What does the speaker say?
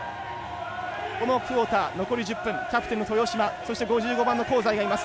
このクォーター残り１０分キャプテンの豊島そして５５番の香西がいます。